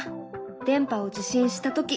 「電波を受信したとき」。